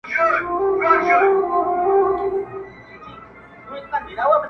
خواري دي سي مکاري، چي هم جنگ کوي، هم ژاړي.